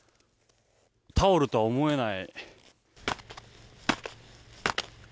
タオルとは思えない。